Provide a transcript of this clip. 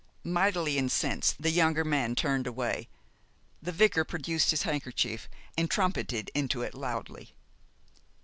Mightily incensed, the younger man turned away. The vicar produced his handkerchief and trumpeted into it loudly.